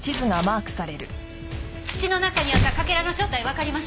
土の中にあったかけらの正体わかりました？